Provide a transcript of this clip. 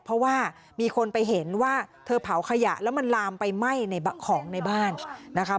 เพราะว่ามีคนไปเห็นว่าเธอเผาขยะแล้วมันลามไปไหม้ในของในบ้านนะคะ